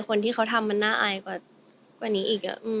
คนที่เขาทำมันน่าอายกว่านี้อีก